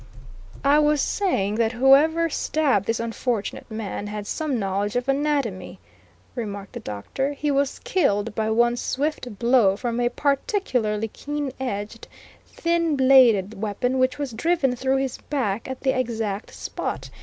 "I was saying that whoever stabbed this unfortunate man had some knowledge of anatomy," remarked the doctor. "He was killed by one swift blow from a particularly keen edged, thin bladed weapon which was driven through his back at the exact spot.